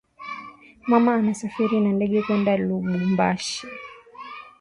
Mama anasafiri na dege kwenda lubumbashi